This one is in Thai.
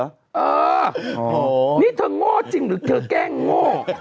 เออนี่เธอโง่จริงหรือเธอแกล้งโง่